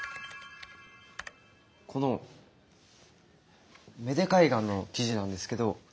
この芽出海岸の記事なんですけど。